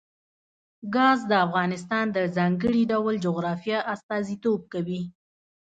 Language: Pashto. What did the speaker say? ګاز د افغانستان د ځانګړي ډول جغرافیه استازیتوب کوي.